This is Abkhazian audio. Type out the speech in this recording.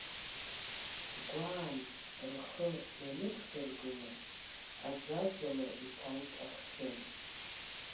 Сгәаан рхы ианықәсыргыла, аӡәаӡәала иҭалт ахшьыра.